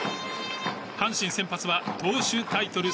阪神先発は投手タイトル